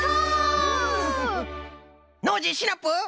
ノージーシナプー！